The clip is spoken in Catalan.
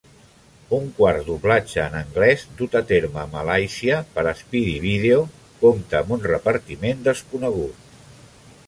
Un quart doblatge en anglès dut a terme a Malàisia per Speedy Vídeo compta amb un repartiment desconegut.